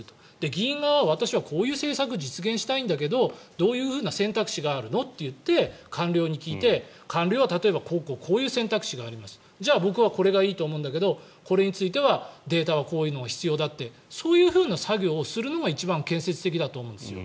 議員側は、私はこういう政策を実現したいんだけどどういうふうな選択肢があるの？って言って官僚に聞いて官僚はこういう選択肢がありますじゃあ、僕はこれがいいと思うんだけどこれについてはデータはこういうのが必要だってそういう作業をするのが一番建設的だと思うんですよ。